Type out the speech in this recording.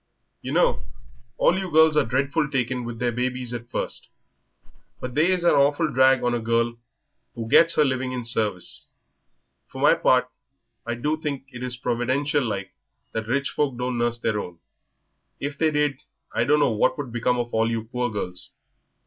"Yer know, all you girls are dreadful taken with their babies at first. But they is a awful drag on a girl who gets her living in service. For my part I do think it providential like that rich folk don't nurse their own. If they did, I dunno what would become of all you poor girls.